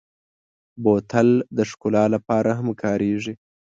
بوتل د ښکلا لپاره هم کارېږي.